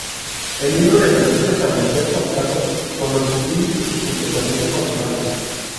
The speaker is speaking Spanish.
El libro le permite establecer contratos con los espíritus y junto con ello, controlarlos.